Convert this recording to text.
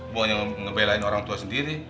bukannya ngebelain orang tua sendiri